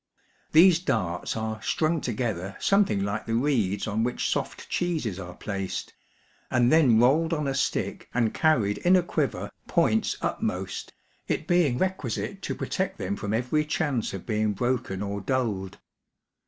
These darts are strung together something like the reeds on which soft cheeses are placed, and then rolled on a stick, and carried in a quiver, points upmost, it being requisite to protect them from every chance of being broken or dulled.